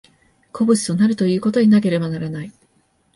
個物となるということでなければならない。